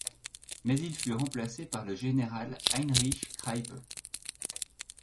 Mais il fut remplacé par le général Heinrich Kreipe.